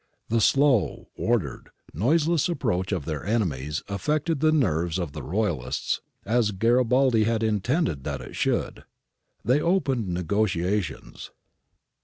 The slow, ordered, noiseless ap proach of their enemies affected the nerves of the Royahsts, as Garibaldi had intended that it should. They opened negotiations.